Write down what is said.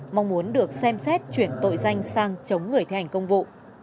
mong muốn được xem xét chuyển tội danh sang chống người thành công vụ